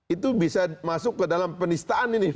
itu bisa masuk ke dalam penistaan ini